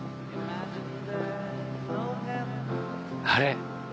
あれ？